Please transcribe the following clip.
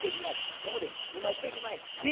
ここで今してしまえ。